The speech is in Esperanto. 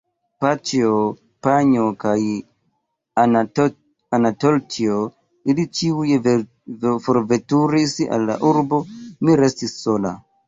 Paĉjo, Panjo kaj Anatolĉjo, ili ĉiuj forveturis al la urbo, mi restis sola.